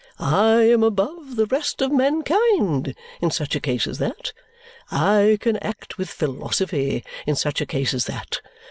I am above the rest of mankind in such a case as that. I can act with philosophy in such a case as that.